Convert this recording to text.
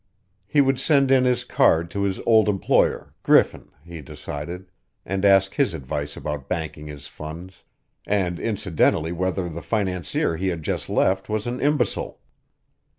He would send in his card to his old employer, Griffin, he decided, and ask his advice about banking his funds, and incidentally whether the financier he had just left was an imbecile.